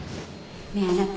ねえあなた